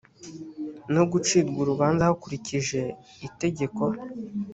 no gucirwa urubanza hakurikije itegeko